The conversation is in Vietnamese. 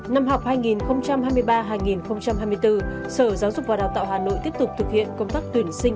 năm học hai nghìn hai mươi ba hai nghìn hai mươi bốn sở giáo dục và đào tạo hà nội tiếp tục thực hiện công tác tuyển sinh